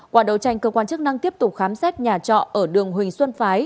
quả đầu tranh cơ quan chức năng tiếp tục khám xét nhà trọ ở đường huỳnh xuân phái